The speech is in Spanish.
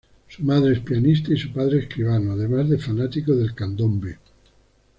Su madre es pianista y su padre escribano, además de fanático del candombe.